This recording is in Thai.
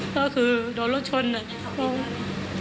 ก็คือโดนรถชนนะ